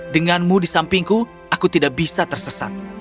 denganmu di sampingku aku tidak bisa tersesat